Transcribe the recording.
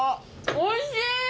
おいしい！